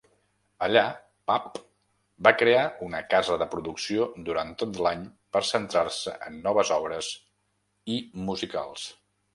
Allà, Papp va crear una casa de producció durant tot l'any per centrar-se en noves obres i musicals.